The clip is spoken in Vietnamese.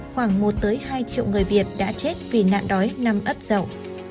khoảng một tới hai triệu người việt đã chết vì nạn đói nằm ấp dậu